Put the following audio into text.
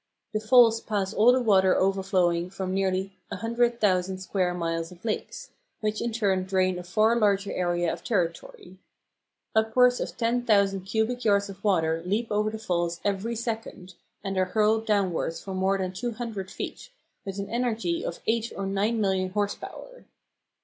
The falls pass all the water overflowing from nearly 100,000 square miles of lakes, which in turn drain a far larger area of territory. Upwards of 10,000 cubic yards of water leap over the falls every second, and are hurled downwards for more than 200 feet, with an energy of eight or nine million horse power!